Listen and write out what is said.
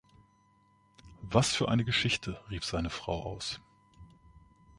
„Was für eine Geschichte!“, rief seine Frau aus.